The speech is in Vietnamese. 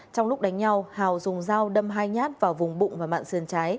trong lúc đánh nhau hào dùng dao đâm hai nhát vào vùng bụng và mạng sườn trái